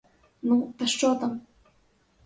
Ну, та що там!